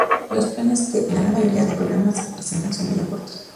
Los planos que, en la gran mayoría del programa se presentan, son medio cortos.